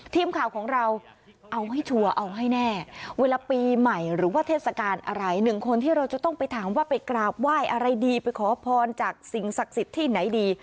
ทีมข่าวของเราเอาให้ชัวร์เอาให้แน่เวลาปีใหม่หรือว่าเทศกาลอะไรหนึ่งคนที่เราจะต้องไปถามว่าไปกราบไหว้อะไรดีไปขอพรจากสิ่งศักดิ์สิทธิ์ที่ไหนดี